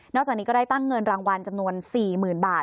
จากนี้ก็ได้ตั้งเงินรางวัลจำนวน๔๐๐๐บาท